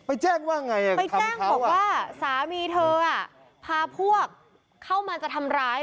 แจ้งว่าไงไปแจ้งบอกว่าสามีเธออ่ะพาพวกเข้ามาจะทำร้าย